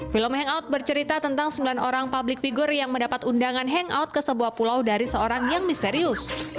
film hangout bercerita tentang sembilan orang public figure yang mendapat undangan hangout ke sebuah pulau dari seorang yang misterius